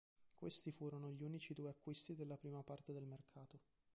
Questi furono gli unici due acquisti della prima parte del mercato.